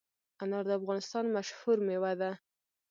انار د افغانستان مشهور مېوه ده.